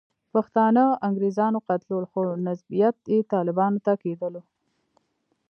پښتانه انګریزانو قتلول، خو نسبیت یې طالبانو ته کېدلو.